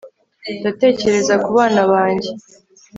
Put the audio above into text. ndatekereza kubana banjye